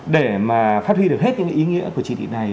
để mà phát huy được hết những ý nghĩa của chỉ thị này